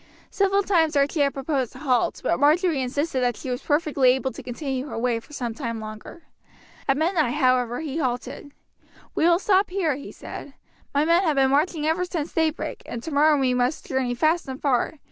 Several times Archie had proposed a halt, but Marjory insisted that she was perfectly able to continue her way for some time longer. At midnight, however, he halted. "We will stop here," he said. "My men have been marching ever since daybreak, and tomorrow we must journey fast and far.